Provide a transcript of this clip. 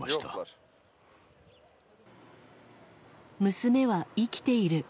娘は生きている。